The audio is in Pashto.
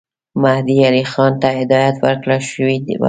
مهدي علي خان ته هدایت ورکړه شوی وو.